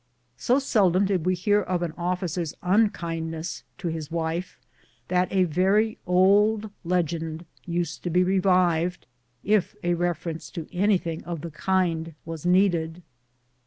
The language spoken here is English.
So seldom did we hear of an officer's unkindness to his wife, that a very old legend used to be revived if a reference to anything of the kind was needed.